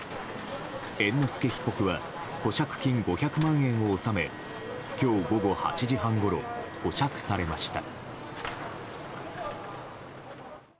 猿之助被告は保釈金５００万円を納め今日午後８時半ごろ保釈されました。